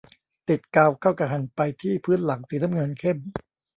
ติดกาวเข้ากับแผ่นไปที่พื้นหลังสีน้ำเงินเข้ม